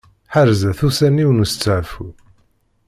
Ḥerzet ussan-iw n usteɛfu.